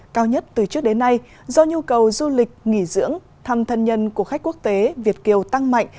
cao nhất từ trước đến nay do nhu cầu du lịch nghỉ dưỡng thăm thân nhân của khách quốc tế việt kiều tăng mạnh